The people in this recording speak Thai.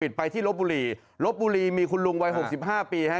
ไปที่ลบบุรีลบบุรีมีคุณลุงวัยหกสิบห้าปีฮะ